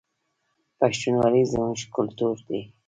پښتونولي زموږ کلتور دی